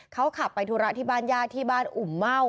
เขาขับไปทุรธิบาลยาที่บ้านอุ่มเม่า